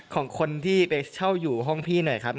ของคนที่ไปเช่าอยู่ห้องพี่หน่อยครับ